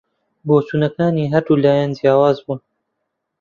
بۆچوونەکانی هەردوو لایان جیاواز بوون